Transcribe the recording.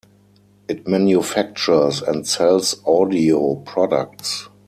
It manufactures and sells audio products.